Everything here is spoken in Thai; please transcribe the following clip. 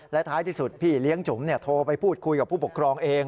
และท้ายที่สุดพี่เลี้ยงจุ๋มโทรไปพูดคุยกับผู้ปกครองเอง